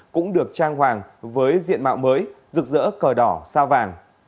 cũng được trang hoàng với diện mạo mới rực rỡ cờ đỏ sao vàng